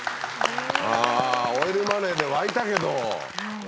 オイルマネーで沸いたけど。